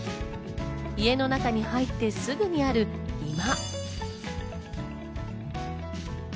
家の中に入ってすぐにある居間。